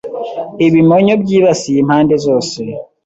ibimonyo byibasiye impande zose.